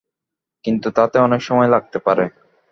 কিন্তু তাতে অনেক সময় লাগতে পারে।